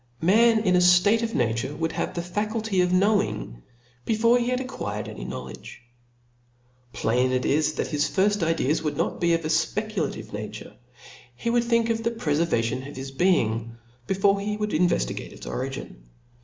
Man in a ftate of nature would have the faculty of knowing, before he had acquired any knowledge. Plain it is that his firft ideas would pot be of a fpeculative nature ; he would think of the prefervation of his being, before jie would in veftigate its original.